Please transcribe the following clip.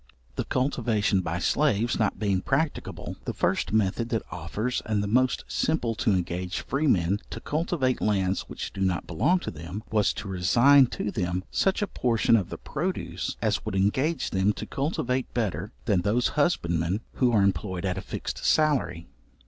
The cultivation by slaves not being practicable, the first method that offers, and the most simple to engage free men to cultivate lands which do not belong to them, was, to resign to them such a portion of the produce, as would engage them to cultivate better than those husbandmen who are employed at a fixed salary.